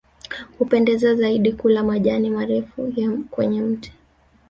Hupendelea zaidi kula majani marefu ya kwenye miti